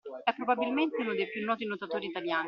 È probabilmente uno dei più noti nuotatori italiani